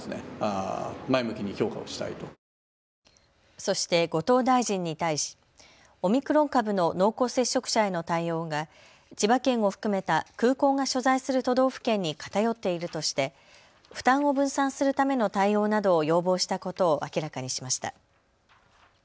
そして後藤大臣に対し、オミクロン株の濃厚接触者への対応が千葉県を含めた、空港が所在する都道府県に偏っているとして負担を分散するための対応などを要望したことを明らかにしました。